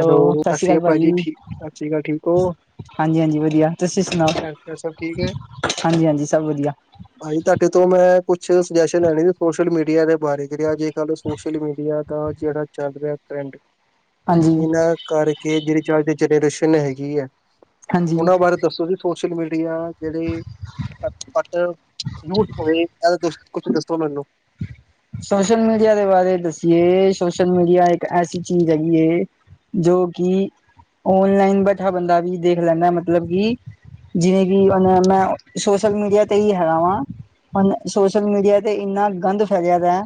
Hello ਸਤਿ ਸਸ ਸ੍ਰੀ ਸ਼੍ਰੀ ਅਕਾਲ ਭਾਜੀ ਠੀਕ ਸਤਿ ਸ਼੍ਰੀ ਅਕਾਲ ਠੀਕ ਹੋ ਹੋਰ ਹਾਂਜੀ-ਹਾਂਜੀ ਵਧੀਆ ਤੁਸੀ ਸੁਣਾਓ? ਘਰ ਪਰਿਵਾਰ ਸਭ ਠੀਕ ਹਾਂਜੀ-ਹਾਂਜੀ ਸਭ ਵਧੀਆ। ਹਾਂਜੀ ਤੁਹਾਡੇ ਤੋਂ ਮੈ ਕੁਛ ਸੁਜੈਸ਼ਨ ਲੈਣੀ ਏ, ਸੋਸ਼ਲ ਮੀਡੀਆ ਦੇ ਬਾਰੇ ਜੇੜੇ ਆ ਕੱਲ੍ਹ ਸੋ਼ਸ਼ਲਮੀਡੀਆ ਦਾ ਜੇੜਾ ਚੱਲ ਰਿਆ ਟਰੈਡ ਹਾਂਜੀ। ਕਰਕੇ ਜੇੜੀ ਚ ਅੱਜ ਦੀ ਜਨਰੇਸ਼ਨ ਹੈਗੀ ਐ। ਹਾਂਜੀ ਓਨਾਂ ਬਾਰੇ ਦੱਸੋ ਵੀ ਸੋਸ਼ਲ ਮੀਡੀਆ ਜੇੜੇ [inaudible] ਕੁਛ ਦੱਸੋ ਮੈਨੂੰ ਸੋਸ਼ਲ ਮੀਡੀਆ ਦੇ ਬਾਰੇ ਦੱਸੀਏ, ਸੋਸ਼ਲ ਮੀਡੀਆ ਇੱਕ ਐਸੀ ਚੀਜ਼ ਹੈਗੀ ਏ ਜੋ ਕੀ ਆਨਲਾਈਨ ਬੈਠਾ ਬੰਦਾ ਵੀ ਦੇਖ ਲੈਦਾ ਮਤਲਬ ਕਿ ਜਿਵੇਂ ਕਿ ਮੈ ਸੋਸ਼ਲ ਮੀਡੀਆ ਤੇ ਈ ਹੈਗਾ ਵਾਂ। ਸੋਸ਼ਲ ਮੀਡੀਆ ਤੇ ਏਨਾ ਗੰਦ ਫੈਲਿਆ ਵਾ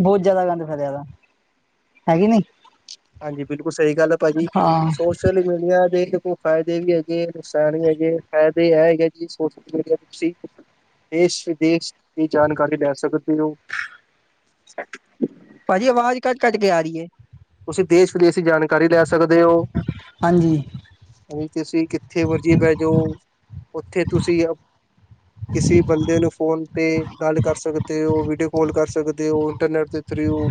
ਬਹੁਤ ਜਿਆਦਾ ਗੰਦ ਫੈਲਿਆ ਵਾ ਹੈ ਕੇ ਨਈ ਹਾਂਜੀ ਬਿਲਕੁਲ ਸਈ ਗੱਲ ਐ। ਭਾਜੀ ਹਾਂ ਸੋਸ਼ਲ ਮੀਡੀਆਂ ਦੇ ਕੋਈ ਫਾਇਦੇ ਵੀ ਹੈਗੇ ਐ ਨੁਕਸਾਨ ਵੀ ਹੈਗੇ ਐ ਫਾਇਦੇ ਐ ਹੈਗੇ ਜੀ ਸੋਸ਼ਲ ਮੀਡੀਆ ਦੇ ਤੁਸੀ ਦੇਸ਼-ਵਿਦੇਸ਼ ਦੀ ਜਾਣਕਾਰੀ ਲੈ ਸਕਦੇ ਓ। [unintelligible] ਭਾਜੀ, ਆਵਾਜ਼ ਕੱਟ-ਕੱਟ ਕੇ ਆ ਰਈ ਐ। ਤੁਸੀ ਦੇਸ਼ ਵਿਦੇਸ਼ ਦੀ ਜਾਣਕਾਰੀ ਲੈ ਸਕਦੇ ਓ। ਹਾਂਜੀ ਅ ਤੁਸੀ ਕਿਥੇ ਮਰਜੀ ਬੈਜੋ ਉਥੇ ਤੁਸੀ ਕਿਸੇ ਬੰਦੇ ਨੂੰ ਫੋਨ ਤੇ ਗੱਲ ਕਰ ਸਕਦੇ ਓ। ਵੀਡੀਓ ਕਾਲ ਕਰ ਸਕਦੇ ਓ। ਇੰਟਰਨੈਟ ਤੇ ਓ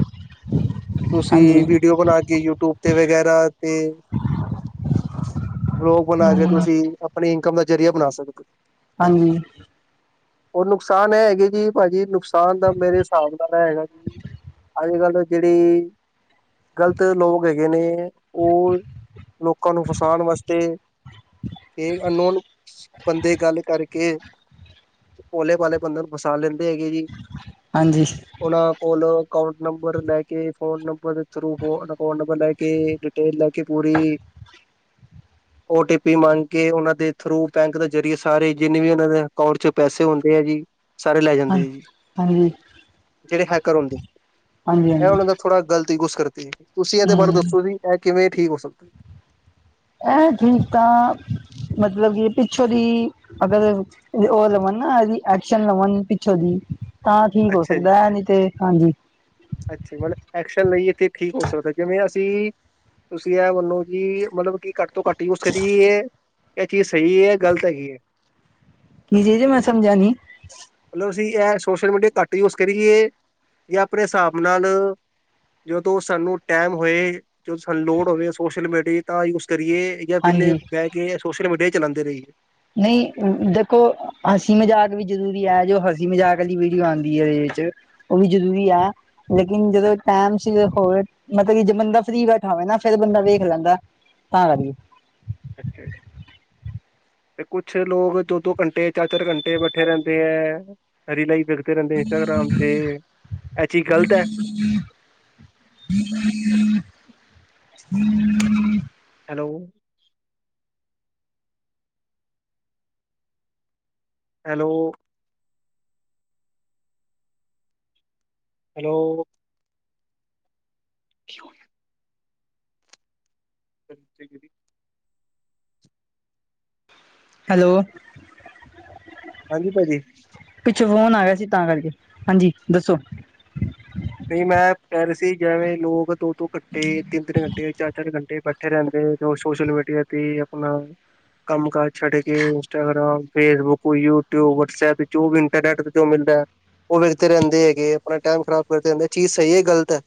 ਤੁਸੀਂ ਹਾਂਜੀ ਵੀ ਲਾ ਕੇ ਯੂਟਿਊਬ ਤੇ ਵਗੈਰਾ ਤੇ ਵਲੋਗ ਬਣਾ ਕੇ ਤੁਸੀਂ ਕਿ ਆਪਣੇ ਇਨਕਮ ਜੇਹੜੀ ਏ ਬਣਾ ਸਕਦੇ। ਹਾਂਜੀ। ਔਹ ਨੁਕਸਾਨ ਇਹ ਹੈਗੇ ਕਿ ਭਾਜੀ, ਨੁਕਸਾਨ ਦਾ ਮੇਰੇ ਹਿਸਾਬ ਨਾਲ ਏਹ ਹੈਗਾ ਕਿ। ਅੱਜ ਕੱਲ ਜਿਹੜੇ। ਗਲਤ ਲੋਗ ਹੈਗੇ ਨੇ, ਉਹ ਲੋਕਾਂ ਨੂੰ ਫਸਾਣ ਵਾਸਤੇ। ਇਹ ਅਨ ਨੋਨ ਬੰਦੇ ਗੱਲ ਕਰਕੇ। ਭੋਲੇ ਭਾਲੇ ਬੰਦੇ ਨੂੰ ਫਸਾ ਲੈਂਦੇ ਹੈਗੇ ਜੀ। ਹਾਂਜੀ। ਉਹਨਾਂ ਕੋਲੋਂ ਅਕੋਂਟ ਨੰਬਰ ਲੈ ਕੇ, ਫੋਨ ਨੰਬਰ। ਰਿਪੋਰਟ ਨੰਬਰ ਲੈ ਕੇ, ਡਿਟੇਲ ਲੈ ਕੇ ਪੂਰੀ। ਓਟੀਪੀ ਮੰਗ ਕੇ ਉਹਨਾਂ ਦੇ ਥਰੂ ਬੈਂਕ ਦੇ ਜਰੀਏ ਸਾਰੇ ਜਿੰਨੇ ਵੀ ਉਹਨਾਂ ਨੇ ਅਕਾਊਂਟ ਚ ਪੈਸੇ ਹੁੰਦੇ ਐ ਜੀ। ਸਾਰੇ ਲੈ ਹਾਂ ਜਾਂਦੇ ਜੀ, ਹਾਂਜੀ ਜਿਹੜੇ ਹੈਕਰ ਹੁੰਦੇ, ਹਾਂਜੀ ਇਹ ਹਾਂਜੀ ਓਹਨਾਂ ਦਾ ਥੋੜਾ ਗਲਤ। ਤੇ ਉਸ ਕਰਕੇ, ਤੁਸੀਂ ਇਹਦੇ ਬਾਰੇ ਹਮ ਦੱਸੋ ਜੀ ਇਹ ਕਿਵੇਂ ਠੀਕ ਹੋ ਸਕਦੈ। ਏਹ ਤਰੀਕਾ, [unintelligible] ਮਤਲਬ ਬੀ ਪਿੱਛੋਂ ਦੀ। ਅਗਰ, ਉਹ ਲਵਨ ਨਾ, ਇਹਦੀ ਐਕਸ਼ਨ ਲਵਨ ਪਿੱਛੋਂ ਦੀ। ਆ ਕੀ ਹੋ ਸਕਦੈ, ਨਹੀਂ ਤੇ, ਹਾਂਜੀ। ਇੱਥੇ ਪਰ, ਐਕਸ਼ਨ ਲਈਏ ਤੇ ਠੀਕ ਹੋ ਸਕਦੈ ਜਿਵੇਂ ਅਸੀਂ। ਤੁਸੀਂ ਇਹ ਮੰਨੋ ਜੀ, ਮਤਲਬ ਕੀ [unintelligible] ਤੂੰ ਘੱਟ ਈ ਯੁਜ਼ਡ ਕਰਦੀ ਏ, ਇਹ ਚੀਜ਼ ਸਹੀ ਏ ਗਲਤ ਹੈਗੀ ਹੈ। ਜੀ, ਜੀ, ਮੈਂ ਸਮਝਾਂਗੀ। ਲਓ ਜੀ ਅਹਿ ਸੋਸ਼ਲ ਮੀਡੀਆ ਘੱਟ ਯੂਜ਼ ਕਰੀਏ, ਯਾ ਆਪਣੇ ਹਿਸਾਬ। ਉਹ ਨਾਲ [unintelligible] ਜਦੋਂ ਸਾਨੂੰ ਟੈਮ ਹੋਏ, ਜੋ ਸਾਨੂੰ ਲੋੜ ਹੋਵੇ ਸੋਸ਼ਲ ਮੀਡੀਆ ਤਾਂ ਯੂਜ ਕਰੀਏ। ਯਾਰ ਹਾਂਜੀ ਵੇਹਲੇ ਬਹਿ ਕੇ ਸੋਸ਼ਲ ਮੀਡੀਆ ਚਲਾਉਂਦੇ ਰਹੀ। ਨਹੀਂ, ਦੇਖੋ, ਹਸੀ ਮਜ਼ਾਕ ਵਿੱਚ ਵੀ ਜਰੂਰੀ ਐ, ਜੋ ਹੱਸੀ ਮਜ਼ਾਕ ਦੀ ਵੀਡੀਓ ਆਉਂਦੀ ਏ ਇੰਦੇ ਵਿੱਚ। ਓਵੀ ਜਰੂਰੀ ਐ। ਲੇਕਿਨ ਜਦੋਂ ਟਾਈਮ ਸਿਰਫ਼ ਹੋਵੇ, ਮਤਲਬ ਕੇ ਬੰਦਾ ਫਰੀ ਬੈਠਾ ਹੋਵੇ ਨਾ, ਫਿਰ ਬੰਦਾ ਵੇਖ ਲੈਂਦਾ। ਤਾਂ [unintelligible] ਅੱਛਾ [unintelligible] ਤੇ ਕੁਛ ਲੋਗ ਦੋ-ਦੋ ਘੰਟੇ, ਚਾਰ-ਚਾਰ ਘੰਟੇ, ਬੈਠੇ ਰਹਿੰਦੇ ਐ। ਆ ਰੀਲਾਂ ਹੀ ਵੇਖਦੇ ਰਹਿੰਦੇ ਇੰਸਟਾਗ੍ਰਾਮ ਤੇ, ਇਹ ਚੀਜ਼ ਗ਼ਲਤ ਐ? ਜ [inaudible] [unintelligible] [inaudible] ਹੈਲੋ। ਹੈਲੋ। ਹੈਲੋ। ਕੀ ਹੋ ਰਿਹੈ [unintelligible] ਸ [unintelligible] ਹੈਲੋ। ਹਾਂਜੀ, ਭਾਜੀ। ਪਿਛੋ ਫ਼ੋਨ ਆ ਰਿਹਾ ਸੀ ਤਾਂ ਕਰਕੇ, ਹਾਂਜੀ ਦੱਸੋ। ਤੇ ਮੈਂ ਪੈਲਿਸੀ, [unintelligible] ਜੈਂਵੇ ਲੋਗ ਦੋ-ਦੋ ਘੰਟੇ, ਤਿੰਨ- ਤਿੰਨ। [unintelligible] ਤੇ ਚਾਰ - ਚਾਰ ਘੰਟੇ ਬੈਠੇ ਰਹਿੰਦੇ ਨੇ, ਜੌ ਸੋਸ਼ਲ ਮੀਡੀਆ ਤੇ ਆਪਣਾ। ਕੰਮਕਾਰ ਛੱਡ ਕੇ, ਇੰਸਟਾਗਰਾਮ, ਫੇਜ਼ਬੁਕ, ਯੂਟਿਊਬ, ਵਟਸਐਪ ਜੋ ਵੀ ਇੰਟਰ [unintelligible] ਜੋ ਮਿਲਦੈ, ਉਹ ਵੇਖਦੇ ਰਹਿੰਦੇ ਹੈਗੇ ਏ, ਆਪਣਾ ਟੈਮ ਖਰਾਬ ਕਰਦੇ ਰਹਿੰਦੇ, ਚੀਜ਼ ਸਹੀ ਏ ਗਲਤ ਹੈ।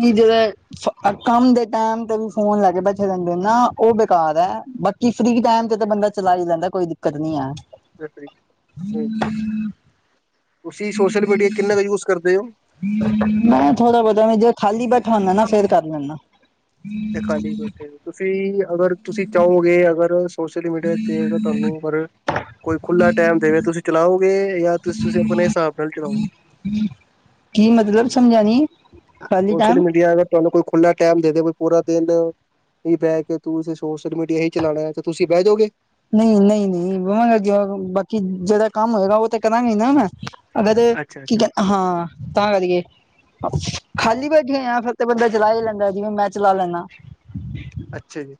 ਨੀਂ ਜੈਵੇ [unintelligible] ਸੱਭ, [unintelligible] ਕੰਮ ਦੇ ਟੈਮ, ਜਦੋਂ ਫੋਨ ਲੈ ਕੇ ਬੈਠੇ ਰਹਿੰਦੇ ਨਾ, ਉਹ ਬੇਕਾਰ ਐ, ਪਰ ਕਿਸੀ ਵੀ ਟੈਮ [unintelligible] ਜਦੋਂ ਬੰਦਾ ਚਲਾ ਈ ਜਾਂਦੈ, ਕੋਈ ਦਿੱਕਤ ਨਹੀਂ ਐ। [inaudible] ਤੁਸੀ ਸੋਸ਼ਲ ਮੀਡੀਆ ਕਿੰਨਾ ਕੁ ਯੂਜ਼ ਕਰਦੇ ਓ। ਮੈਂ ਥੋੜਾ ਬਹੁਤਾ, ਜੇ ਖਾਲੀ ਬੈਠਾ ਹੁੰਦਾ ਨਾ, ਫੇਰ ਕਰ ਲੈਣਾ। ਤੇ ਖਾਲੀ ਬੈਠੇ, ਤੁਸੀਂ ਅਗਰ ਤੁਸੀਂ ਚਾਹੋਗੇ ਅਗਰ, ਸੋਸ਼ਲ ਮੀਡੀਆ ਤੇ ਤੁਹਾਨੂੰ ਪਰ, ਕੋਈ ਖੁੱਲਾ ਟਾਈਮ ਦੇਵੇ, ਤੁਸੀਂ ਚਲਾਓਗੇ ਜਾਂ ਤੁਸੀਂ ਤੁਸੀਂ ਆਪਣੇ ਹਿਸਾਬ ਨਾਲ ਚਲਾਓਗੇ? ਹਮ [inaudible] ਕੀ ਮਤਲਬ ਸਮਝਾਯਾ ਨਹੀ? ਸੋਸ਼ਲ ਮੀਡੀਆ ਅਰ, ਤੁਹਾਨੂੰ ਕੋਈ ਖੁੱਲ੍ਹਾ ਟਾਈਮ ਦੇ ਦੇ, ਪੂਰਾ ਦਿਨ ਕਹੇ ਬਹਿ ਕੇ ਤੂੰ ਸੋਸ਼ਲ ਮੀਡੀਆ ਹੀ ਚਲਾਣੈ, ਤੇ ਤੁਸੀਂ ਬਹਿ ਜੋਗੇ? ਨਹੀਂ ਨਹੀਂ ਨਹੀਂ ਵਾਂਗਾ ਬਾਕੀ ਜਿਹੜਾ ਕੰਮ ਹੋਏਗਾ, ਉਹ ਤਾਂ ਕਰਾਂਗੇ ਨਾ, ਮੈਂ ਅਗਰ ਅੱਛਾ ਕੀ ਅੱਛਾ ਕਹ ਹਾਂ, ਤਾਂ ਕਰ ਇਏ ਖਾਲੀ ਬੈਠੇਂ ਆਂ, ਫਿਰ ਤੇ ਬੰਦਾ ਚਲਾ ਹੀ ਲੈਂਦਾ, ਜਿਵੇਂ ਮੈਂ ਚਲਾ ਲੈਂਨਾ। ਅੱਛਾ ਜੀ।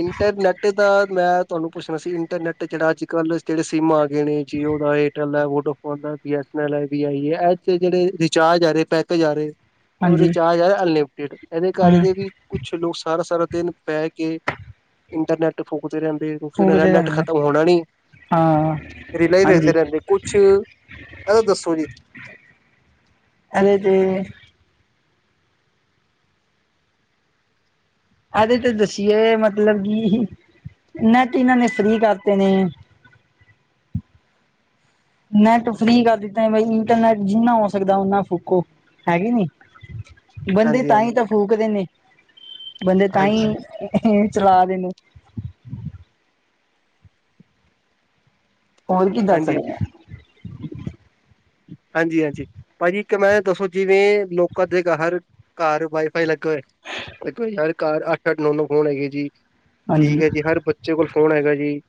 ਇੰਟਰਨੈੱਟ ਦਾ ਮੈਂ ਤੁਹਾਨੂੰ ਪੁੱਛਣਾ ਸੀ, ਇੰਟਰਨੈੱਟ ਜਿਹੜਾ ਅੱਜ ਕੱਲ੍ਹ ਜਿਹੜੇ ਸੀਮਾਂ ਜਾਣੇ ਜੀਓ, ਉਹਦਾ ਏਅਰਟੈਲ ਏ, ਵੋਡਾ ਆਦਾਂ ਬੀ ਐਸ ਅਨ ਲ ਐ, ਬੀ ਆਈ ਈ ਹੈ, ਐ ਤੇ ਜੇੜੇ ਰੀਚਾਰਜ ਆ ਰਹੇ, ਪੈਕੇਜ ਆ ਰਹੇ ਉਹ ਹਾਂਜੀ ਰਿਚਾਰਜ ਐ ਅਨਲਿਮਟਿਡ, ਇਹਦੇ ਹਮ ਕਰਕੇ ਵੀ ਕੁੱਛ ਲੋਕ ਸਾਰਾ ਸਾਰਾ ਦਿਨ ਪੈਅ ਕੇ, ਇੰਟਰਨੈਟ ਫੂਕਦੇ ਰਹਿੰਦੇ। ਕਿਉਂਕਿ, ਉਹ ਦਾ ਫੂਕਦੇ ਨੈਟ ਰਹਿੰਦੇ ਖਤਮ ਹੋਣਾ ਨੀ ਹਾਂ ਰੀਲਾ ਹੀ ਹਾਂਜੀ ਵੇਖਦੇ ਰਹਿੰਦੇ ਕੁਛ, ਗਲ ਦੱਸੋ ਜੀ? ਐਨੇ ਤੇ ਇਹਦੇ ਤੇ ਦੱਸੀਏ ਮਤਲਬ ਕਿ, ਨੈਟ ਇਹਨਾਂ ਨੇ ਫ੍ਰੀ ਕਰਤੇ ਨੇ। ਨੈੱਟ ਫ੍ਰੀ ਕਰ ਦਿੱਤਾ, ਬਾਈ ਇੰਟਰਨੈਟ ਜਿੰਨਾ ਹੋ ਸਕਦਾ ਓਨਾ ਫੂਕੋ। ਹੈ ਗੇ ਨੀ ਬੰਦੇ ਹਾਂਜੀ ਤਾਂਹੀ ਹਾਂਜੀ ਤਾਂ ਫੂਕਦੇ ਨੇ, ਬੰਦੇ ਹਾਂਜੀ ਤਾਂਹੀ ਚਲਾ ਰੇ ਨੇ। ਹੋਰ ਕੀ ਦੱਸ ਹਾਂਜੀ ਰਿ ਹਾਂਜੀ-ਹਾਂਜੀ, ਭਾਜੀ ਇੱਕ ਮੈਂ ਦੱਸੋ ਜਿਵੇਂ ਲੋਕਾਂ ਦੇ ਗਾਹਰ ਘਾਰ ਵਾਈ-ਫਾਈ ਲੱਗਾ ਹੋਏ ਤੇ ਕੋਈ ਗਲ, ਘਾਰ ਅੱਠ-ਅੱਠ, ਨੋ-ਨੋ ਫੋਨ ਹੈਗੇ ਜੀ। ਹਾਂਜੀ ਠੀਕ ਐ ਜੀ, ਹਰ ਬੱਚੇ ਕੋਲ੍ਹ ਫੋਨ ਹੈਗਾ ਜੀ।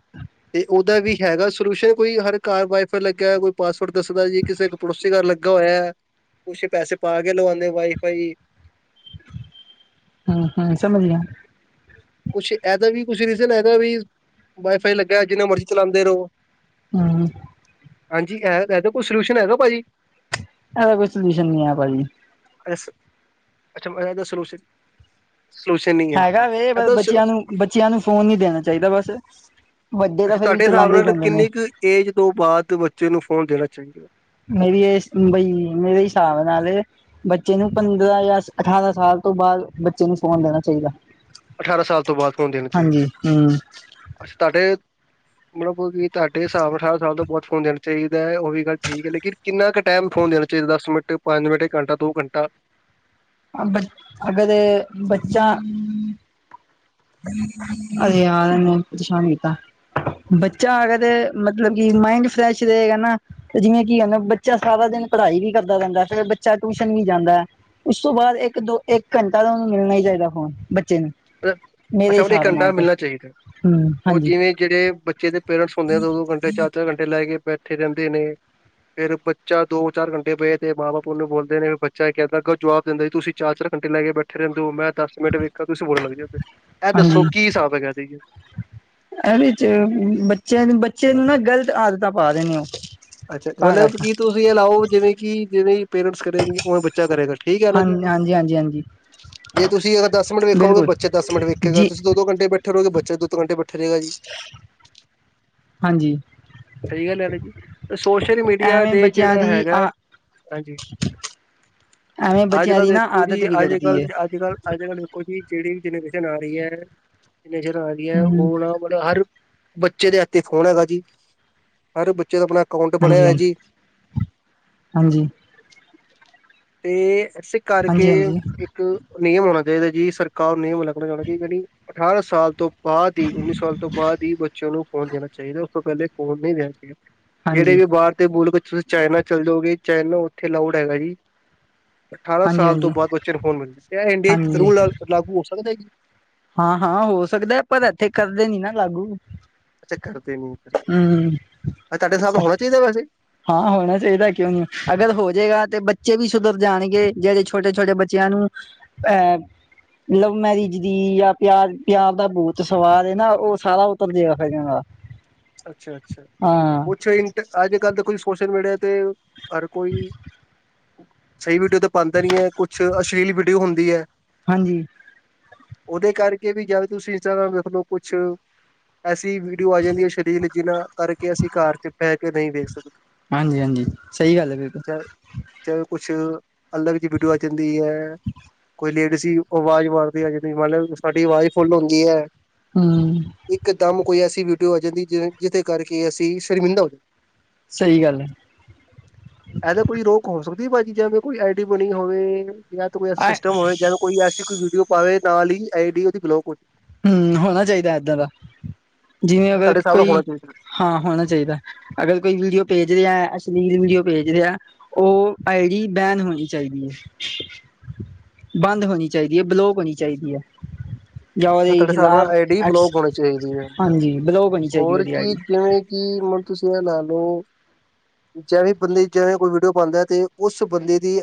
ਤੇ ਉਹਦਾ ਵੀ ਹੈਗਾ ਸੋਲਿਊਸ਼ ਕੋਈ ਹਰ ਘਾਰ ਵਾਈ-ਫਾਈ ਲੱਗਿਆ, ਕੋਈ ਪਾਸਵਰਡ ਦੱਸਦਾ ਜੀ। ਕਿਸੇ ਇੱਕ ਪੜੋਸੀ ਘਰ ਲੱਗਾ ਹੋਇਐ ਕੁਸ਼ ਪੈਸੇ ਪਾ ਕੇ ਲਵੋਂਦੇ ਵਾਈਫਾਈ। ਹਾਂ-ਹਾਂ ਸਮਜ ਗਿਆ। ਕੁਛ ਇਹਦਾ ਵੀ ਕੁਛ ਰੀਜ਼ਨ, ਇਹਦਾ ਵੀ ਵਾਈ ਫਾਈ ਲੱਗਿਆ ਹੋਇਆ ਹੈ, ਜਿੰਨਾ ਮਰਜ਼ੀ ਚਲਾਉਂਦੇ ਰਹੋ। ਹਾਂ। ਹਾਂਜੀ, ਇਹ ਇਹਦਾ ਕੋਈ ਸੋਲਿਊਸ਼ਨ ਹੈਗਾ ਭਾਜੀ। ਇਹਦਾ ਕੋਈ ਸੋਲਿਊਸ਼ਨ ਨਹੀਂ ਐ, ਭਾਜੀ। ਅੱਛਾ, ਇਸਦਾ ਸੋਲਿਊਸ਼ਨ। ਸੋਲਿਊਸ਼ਨ ਨਹੀਂ। ਹੈ ਹੈਗਾ ਵੇ, ਪਰ ਇਹਦਾ ਸ- ਬੱਚਿਆਂ ਨੂੰ ਬੱਚਿਆਂ ਨੂੰ ਫ਼ੋਨ ਨੀ ਦੇਣਾ ਚਾਹੀਦਾ ਬਸ। ਵੱਡੇ ਤਾਂ ਅੱਛਾ ਫਿਰ ਵੀ ਤੁਹਾਡੇ ਹਿਸਾਬ ਚਲਾਂਦੇ ਹੀ ਨਾਲ ਰਹਿੰਦੇ ਨੇ। ਕਿੰਨੀ ਕੁ ਏਜ ਤੋਂ ਬਾਅਦ, ਬੱਚੇ ਨੂੰ ਫੋਨ ਦੇਣਾ ਚਾਹੀਦਾ। ਮੇਰੀ ਇਹ ਬਈ, ਮੇਰੇ ਹਿਸਾਬ ਨਾਲ ਬੱਚੇ ਨੂੰ ਪੰਦਰਾਂ ਜਾਂ ਅਠਾਰਾਂ ਸਾਲ ਤੋਂ ਬਾਅਦ, ਬੱਚੇ ਨੂੰ ਫੋਨ ਦੇਣਾ ਚਾਹੀਦਾ। ਅਠਾਰਾਂ ਸਾਲ ਤੋਂ ਬਾਅਦ ਫੋਨ ਦੇਣਾ ਹਾਂਜੀ ਚਾਹੀਦਾ, ਹੂੰ ਅੱਛਾ ਤੁਹਾਡੇ ਮਤਲਬ ਕਿ ਤੁਹਾਡੇ ਹਿਸਾਬ ਨਾਲ ਅਠਾਰ ਸਾਲ ਤੋਂ ਬਾਦ ਫੋਨ ਦੇਣਾ ਚਾਹੀਦਾ, ਉਹ ਵੀ ਗੱਲ ਠੀਕ ਹੈ, ਲੇਕਿਨ ਕਿੰਨਾ ਕੁ ਟਾਈਮ ਫੋਨ ਦੇਣਾ ਚਾਹੀਦਾ? ਦਸ ਮਿੰਟ, ਪੰਜ ਮਿੰਟ, ਇੱਕ ਘੰਟਾ, ਦੋ ਘੰਟਾ ਅ ਬਚ, ਅਗਰ ਬੱਚਾ ਅਰੇ ਯਾਰ ਏਨ੍ਹਾਂ ਪਰਸ਼ਾਨ ਕੀਤਾ ਬੱਚਾ ਅਗਰ ਤੇ ਮਤਲਬ ਕਿ ਮਾਇੰਡ ਫਰੈਸ਼ ਰਹੇਗਾ ਨਾ ਤੇ ਜਿਵੇਂ ਕੀ ਹਨਾ, ਬੱਚਾ ਸਾਰਾ ਦਿਨ ਪੜ੍ਹਾਈ ਵੀ ਕਰਦਾ ਰਹਿੰਦਾ, ਫਿਰ ਬੱਚਾ ਟਿਊਸ਼ਨ ਵੀ ਜਾਂਦੈ। ਉਸ ਤੋਂ ਬਾਅਦ ਇੱਕ-ਦੋ, ਇੱਕ ਘੰਟਾ ਤਾਂ ਉਹਨੂੰ ਮਿਲਨਾ ਈ ਚਾਈਦਾ ਫੋਨ ਬਟ ਅੱਛਾ, ਮਲਬ ਇੱਕ ਘੰਟਾ ਮਿਲਣਾ ਚਾਈਦਾ। ਹੂੰ ਓ ਜਿਵੇਂ ਜਿਹੜੇ ਬੱਚੇ ਦੇ ਪੇਰੈਂਟਸ ਹੁੰਦੇ ਐ ਦੋ-ਦੋ ਘੰਟੇ ਚਾਰ-ਚਾਰ ਘੰਟੇ ਲੈ ਕੇ ਬੈ ਉੱਥੇ ਰਹਿੰਦੇ ਨੇ। ਫੇਰ ਬੱਚਾ ਦੋ ਚਾਰ ਘੰਟੇ ਪਏ ਤੇ ਮਾਂ ਬਾਪ ਉਹਨੂੰ ਬੋਲਦੇ ਨੇ, ਵੀ ਬੱਚਾ ਇਹ ਕਹਿੰਦਾ ਅੱਗੋਂ ਜਵਾਬ ਦਿੰਦਾ ਤੁਸੀਂ। ਚਾਰ ਚਾਰ ਘੰਟੇ ਲੈ ਕੇ ਬੈਠੇ ਰਹਿੰਦੇ ਹੋ, ਮੈਂ ਦਸ ਮਿੰਟ ਵੇਖਾਂ, ਤੁਸੀਂ ਬੋਲਣ ਲੱਗ ਜਾਂਦੇ ਹੋ, ਇਹ ਦੱਸੋ ਹਾਂਜੀ-ਹਾਂਜੀ। ਕੀ ਹਿਸਾਬ ਹੈ ਐਦੇ ਚ। ਇਹਦੇ 'ਚ ਬੱਚਿਆਂ ਬੱਚੇ ਨੂੰ ਨਾ, ਗ਼ਲਤ ਆਦਤਾਂ ਪਾ ਰਹੇ ਨੇ। ਅੱਛਾ ਤਾਂ ਮਤਲਬ ਕਰਕੇ ਕੀ ਤੁਸੀਂ ਇਹ ਅਲਾਓ, ਜਿਵੇਂ ਕਿ ਜਿਵੇਂ ਪੇਰੈਂਟਸ ਕਰਗੇ ਉਵੇਂ ਬੱਚੇ। ਬੱਚਾ ਕਰੇਗਾ, ਠੀਕ ਹੈ ਨਾ ਹਾਂ ਜੀ। ਹਾਂਜੀ ਹਾਂਜੀ ਹਾਂਜੀ ਜੇ ਤੁਸੀਂ ਅਗਰ ਦਸ ਮਿੰਟ ਵੇਖੋਗੇ, ਬਿਲਕੁਲ ਬੱਚਾ ਦਸ ਮਿੰਟ ਵੇਖੇਗਾ ਜੀ ਤੁਸੀਂ। ਦੋ ਦੋ ਘੰਟੇ ਬੈਠੇ ਰਹੋਗੇ, ਤੇ ਬੱਚਾ ਦੋ ਦੋ ਘੰਟੇ ਬੈਠੇ ਰਹੇਗਾ ਜੀ। ਹਾਂਜੀ ਸਹੀ ਗੱਲ ਇਵੇਂ ਜੀ। ਸੋਸ਼ਲ ਮੀਡੀਆ ਐਵੇਂ ਦੇ ਬੱਚਿਆਂ ਜਿਹੜਾ ਦੀ ਹੈਗਾ ਹੈ ਆ ਹਾਂਜੀ। ਐਵੇਂ ਅੱਜ ਬੱਚਿਆਂ ਕੱਲ ਦੀ ਨਾ ਦੇਖੋ ਆਦਤ ਜੀ, ਅੱਜ ਵਿਗੜਦੀ ਕੱਲ, ਹੈ ਅੱਜ ਕੱਲ, ਅੱਜ ਕੱਲ। ਦੇਖੋ ਜੀ ਜਿਹੜੀ ਵੀ ਜਨਰੇਸ਼ਨ ਆ ਰਹੀ ਹੈ, ਜਨਰੇਸ਼ਨ ਆ ਰਹੀ ਹੈ ਹਮ ਉਹ ਨਾ। ਕੋਲ ਹਰ ਬੱਚੇ ਦੇ ਹੱਥ 'ਚ ਫੋਨ ਹੈਗਾ ਜੀ, ਹਰ ਬੱਚੇ ਦਾ ਆਪਣਾ। ਅਕਾਊਂਟ ਬਣਿਆ ਹਾਂਜੀ ਹੋਇਆ ਹਾਂਜੀ, ਜੀ। ਹਾਂਜੀ। ਤੇ ਇਸੇ ਕਰਕੇ। ਹਾਂਜੀ ਹਾਂਜੀ ਇੱਕ ਨਿਯਮ ਹੋਣਾ ਚਾਹੀਦਾ ਜੀ। ਸਰਕਾਰ ਨਿਯਮ ਲੱਗਣਾ ਚਾਹੀਦਾ ਜੀ। ਜਿਹੜੀ ਅਠਾਰਾਂ ਸਾਲ ਤੋਂ ਬਾਅਦ ਈ ਉੱਨੀ ਸਾਲ ਤੋਂ ਬਾਅਦ ਹੀ ਬੱਚਿਆਂ ਨੂੰ ਫੋਨ ਦੇਣਾ ਚਾਈਦਾ, ਉਸ ਤੋਂ ਪਹਿਲੇ ਫੋਨ ਨਹੀਂ ਦੇਣਾ ਚਾਈਦਾ। ਜਿਹੜੇ ਹਾਂਜੀ ਵੀ ਬਾਹਰ ਦੇ ਮੁਲਕ ਤੁਸੀਂ ਚਾਈਨਾ ਚੱਲ ਜਓਗੇ, ਚਾਈਨਾ ਉੱਥੇ ਅਲਾਉਡ ਹੈਗਾ ਜੀ। ਅਠਾਰਾਂ ਹਾਂਜੀ ਸਾਲ ਤੋਂ ਹਾਂਜੀ ਬਾਅਦ ਬੱਚੇ ਨੂੰ ਫੋਨ ਮਿਲੂ, ਤੇ ਇਹ ਇੰਡੀਆ ਚ ਹਾਂਜੀ ਰੂਲ ਲਾਗੂ ਹੋ ਸਕਦਾ ਐ ਜੀ। ਹਾਂ, ਹਾਂ, ਹੋ ਸਕਦਾ ਪਰ ਇੱਥੇ ਕਰਦੇ ਨੀਂ ਨਾਂ ਲਾਗੂ। ਅੱਛਾ ਕਰਦੇ ਨੀਂ, [unintelligible] ਹਮ ਤੁਹਾਡੇ ਹਿਸਾਬ ਨਾਲ ਹੋਣਾ ਚਾਈਦਾ ਵੈਸੇ। ਹਾਂ ਹੋਣਾ ਚਾਈਦਾ, ਕਿਉਂ ਨੀਂ? ਅਗਰ ਹੋ ਜਏਗਾ ਤੇ ਬੱਚੇ ਵੀ ਸੁਧਰ ਜਾਣਗੇ ਜਿਹੜੇ ਛੋਟੇ-ਛੋਟੇ ਬੱਚੇ ਬੱਚਿਆਂ ਨੂੰ ਅਹ ਲਵ ਮੈਰਿਜ ਦੀ ਜਾਂ ਪਿਆਰ ਪਿਆਰ ਦਾ ਭੂਤ ਸਵਾਰ ਐ ਨਾਂ, ਉਹ ਸਾਰਾ ਉਤਰ ਜੇ ਗਾ ਫੇਰ ਇਹਨਾਂ ਦਾ ਅੱਛਾ ਅੱਛਾ, ਹਾਂ ਕੁਛ ਇੰਝ ਅੱਜ-ਕੱਲ ਤਾਂ ਕੁੱਝ ਸੋਸ਼ਲ ਮੀਡੀਆ ਤੇ ਹਰ ਕੋਈ, ਸਹੀ ਵੀਡੀਓ ਤਾਂ ਪਾਉਂਦਾ ਨਈਂ, ਕੁਛ ਅਸ਼ਲੀਲ ਵੀਡੀਓ ਹੁੰਦੀ ਐ। ਹਾਂਜੀ। ਉਹਦੇ ਕਰਕੇ ਵੀ ਜਦ ਤੁਸੀਂ ਇੰਸਟਾਗ੍ਰਾਮ ਦੇਖ ਲਓ, ਕੁਛ ਐਸੀ ਵੀਡੀਓ ਆ ਜਾਂਦੀ ਐ ਅਛੱ ਡੀਲ ਜਿੰਨਾਂ ਕਰਕੇ ਅਸੀਂ ਘਰ ਚ ਪੈ ਕੇ ਨਈਂ ਵੇਖ ਸਕਦੇ। ਹਾਂਜੀ ਹਾਂਜੀ। ਸਹੀ ਗੱਲ ਐ ਬਿਲਕੁਲ ਜਾਂ ਚਾਹੇ ਕੁਛ ਅਲਗ ਜੀ ਵੀਡੀਓ ਆ ਜਾਂਦੀ ਐ। ਕੋਈ ਲੇਡੀਜ਼ ਆਵਾਜ਼ ਮਾਰਦੀ ਆ ਜਿ ਮਤਲਬ ਸਾਡੀ ਆਵਾਜ਼ ਫੁੱਲ ਹੁੰਦੀ ਐ। ਹਂ ਇੱਕ ਦਮ ਕੋਈ ਐਸੀ ਵਿਊਟੀਓ ਆ ਜਾਂਦੀ ਜਿ ਜਿਹਦੇ ਕਰਕੇ ਅਸੀਂ ਸ਼ਰਮਿੰਦਾ ਹੋ ਜਾਂ ਸਹੀ ਗੱਲ ਐ। ਇਹ ਤੇ ਕੋਈ ਰੋਕ ਹੋ ਸਕਦੀ ਭਾਜੀ, ਜਿਵੇਂ ਕੋਈ ਆਈ ਡੀ ਬਣੀ ਹੋਵੇ? ਜਾਂ ਤੇ ਕੋਈ ਆ ਸਿਸਟਮ ਹੋਵੇ ਜੇਂਵੇ ਕੋਈ ਐਸੀ ਕੋਈ ਵੀਡੀਓ ਪਾਵੇ, ਨਾਲ ਈ ਆਈ ਡੀ ਉਹਦੀ ਬਲੋਕ ਹੋ ਜਾਵੇ। ਹਂ, ਹੋਣਾ ਚਾਹੀਦਾ ਏਦਾਂ ਦਾ, ਜਿਵੇਂ ਅਗਰ ਤੁਹਾਡੇ ਹਿਸਾਬ ਨਾਲ ਕੋਈ ਹੋਣਾ ਚਾਹੀਦਾ ਹਾਂ ਹੋਣਾ ਚਾਈਦਾ। ਅਗਰ ਕੋਈ ਵੀਡੀਓ ਭੇਜ ਰਿਹਾ, ਅਸ਼ਲੀਲ ਵੀਡੀਓ ਭੇਜ ਰਿਆ ਉਹ ਆਈ ਡੀ ਬੈਨ ਹੋਣੀ ਚਾਈਦੀ ਐ। ਬੰਦ ਹੋਣੀ ਚਾਈਦੀ ਐ। ਬਲੋਕ ਹੋਣੀ ਚਾਈਦੀ ਐ। ਇਹ ਤੁਹਾਡੇ ਹਿਸਾਬ ਨਾਲ ਆਈ ਡੀ ਐਕਸ ਬਲੋਕ ਹੋਣੀ ਚਾਈਦੀ ਐ। ਹਾਂਜੀ ਬਲੋਕ ਹੋਣੀ ਚਾਹੀਦੀ ਹੋਰ ਉਹਦੀ ਆਈ ਕੀ ਡੀ ਜੇ ਕੀ ਮਨੂ ਤੁਸੀਂ ਇਹ ਲਾ ਲੋ ਲਓ। ਜਿਵੇਂ ਬੰਦੇ ਜਿਵੇਂ ਕੋਈ ਵੀਡੀਓ ਪਾਉਂਦਾ ਤੇ ਉਸ ਬੰਦੇ ਦੀ।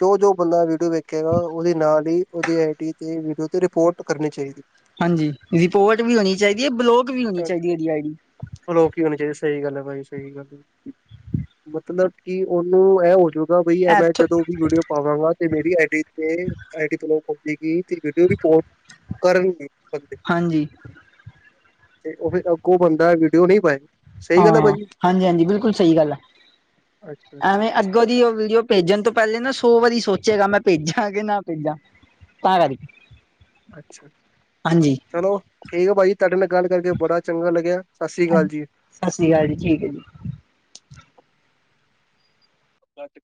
ਜੋ ਜੋ ਬੰਦਾ ਵੀਡੀਓ ਵੇਖੇਗਾ ਉਹਦੇ ਨਾਲ ਹੀ ਉਹਦੀ ਆਈ ਡੀ ਤੇ, ਵੀਡੀਓ ਤੇ ਰਿਪੋਰਟ ਕਰਨੀ ਚਾਈਦੀ। ਹਾਂਜੀ ਰਿਪੋਰਟ ਵੀ ਹੋਣੀ ਚਾਈਦੀ ਐ, ਬਲੋਕ ਵੀ ਹੋਣੀ ਚਾਈਦੀ ਏ ਉਹਦੀ ਆਈ ਡੀ। ਬਲੋਕ ਹੀ ਹੋਣੀ ਚਾਈਦੀ ਐ। ਸਹੀ ਗੱਲ ਐ ਭਾਜੀ ਸਹੀ ਗੱਲ ਐ। ਮਤਲਬ ਕਿ ਉਹਨੂੰ ਇਹ ਹੋਜੂ ਬੲਈ ਮੈਂ ਐਥੋਂ ਜਦੋਂ ਵੀ ਵੀਡੀਓ ਪਾਵਾਂਗਾ ਤੇ ਮੇਰੀ ਆਈ ਡੀ ਤੇ ਆਈ ਡੀ ਬਲਾਕ ਹੋ ਗੀ ਵੀਡੀਓ ਰਿਪੋਰਟ ਕਰਨਗੇ ਬੰਦੇ ਹਾਂਜੀ। ਤੇ ਉਹ ਫਿਰ ਅੱਗੋਂ ਬੰਦਾ ਵੀਡੀਓ ਨਈਂ ਪਾਏ। ਸਹੀ ਗੱਲ ਹੈ ਹਾਂ ਭਾਜੀ ਹਾਂਜੀ ਹਾਂਜੀ, ਬਿਲਕੁਲ ਸਹੀ ਗੱਲ ਏ, ਅੱਛਾ ਅੱਛਾ ਐਵੇਂ ਅੱਗੋਂ ਦੀ ਵੀਡੀਓ ਭੇਜਣ ਤੋਂ ਪਹਿਲੇ ਨਾਂ ਸੌ ਵਾਰੀ ਸੋਚੇਗਾ, ਮੈਂ ਭੇਜਾਂ ਕਿ ਨਾਂ ਭੇਜਾਂ? ਤਾਂ ਕਰਕੇ ਅੱਛਾ ਹਾਂਜੀ ਚਲੋ ਠੀਕ ਆ ਭਾਜੀ ਤੁਹਾਡੇ ਨਾਲ ਗੱਲ ਕਰਕੇ ਬੜਾ ਚੰਗਾ ਲੱਗਿਆ। ਸਤਿ ਸ੍ਰੀ ਅਕਾਲ ਹਾਂਜੀ ਜੀ। ਸਤਿ ਸ਼੍ਰੀ ਅਕਾਲ ਜੀ, ਠੀਕ ਐ ਜੀ। [unintelligible]